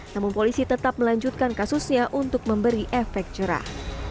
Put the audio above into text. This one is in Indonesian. namun polisi tetap melanjutkan kasusnya untuk memberi efek cerah